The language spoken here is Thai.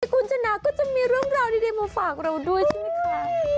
คุณชนะก็จะมีเรื่องราวดีมาฝากเราด้วยใช่ไหมคะ